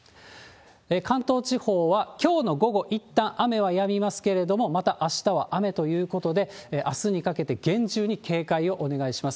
関東地方は、きょうの午後、いったん雨はやみますけれども、またあしたは雨ということで、あすにかけて厳重に警戒をお願いします。